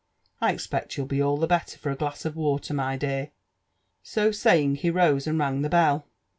I expect you'll be all the better for a glass of water, my dear." So saying, he rose and rang the bell.